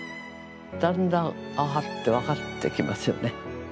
だんだんああって分かってきますよね。